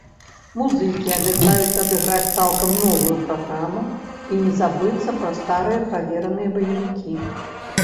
Музыкі абяцаюць адыграць цалкам новую праграму і не забыцца пра старыя правераныя баевікі.